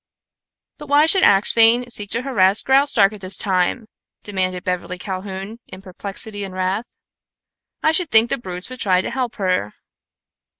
"But why should Axphain seek to harass Graustark at this time?" demanded Beverly Calhoun, in perplexity and wrath. "I should think the brutes would try to help her."